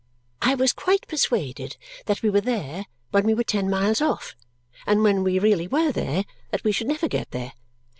I was quite persuaded that we were there when we were ten miles off, and when we really were there, that we should never get there.